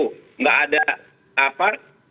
tidak ada apa